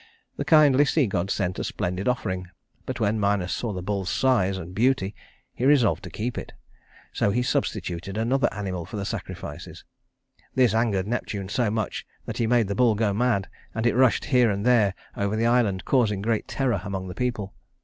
The kindly sea god sent a splendid offering, but when Minos saw the bull's size and beauty, he resolved to keep it. So he substituted another animal for the sacrifices. This angered Neptune so much that he made the bull go mad; and it rushed here and there over the island, causing great terror among the people.